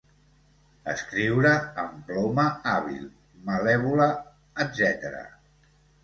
Escriure amb ploma hàbil, malèvola, etc.